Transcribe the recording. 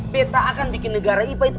betta akan bikin negara ipa itu